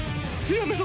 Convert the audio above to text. やめろ！